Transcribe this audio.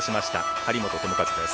張本智和です。